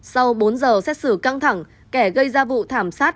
sau bốn giờ xét xử căng thẳng kẻ gây ra vụ thảm sát